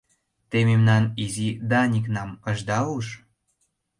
— Те мемнан изи Даникнам ыжда уж?